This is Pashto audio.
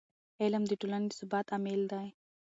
علم د ټولنې د ثبات عامل دی.